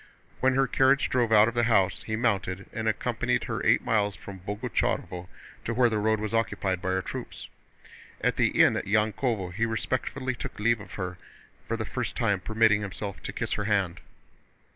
When her carriage drove out of the house, he mounted and accompanied her eight miles from Boguchárovo to where the road was occupied by our troops. At the inn at Yankóvo he respectfully took leave of her, for the first time permitting himself to kiss her hand.